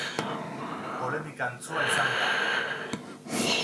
Polemika antzua izan da.